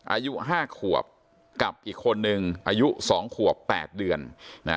อายุ๕ขวบกับอีกคนนึงอายุ๒ขวบ๘เดือนนะ